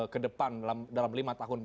ke depan dalam lima tahun